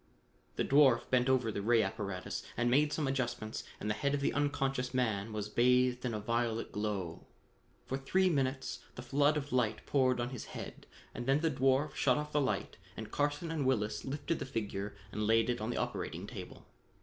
The dwarf bent over the ray apparatus and made some adjustments and the head of the unconscious man was bathed with a violet glow. For three minutes the flood of light poured on his head and then the dwarf shut off the light and Carson and Willis lifted the figure and laid it on the operating table.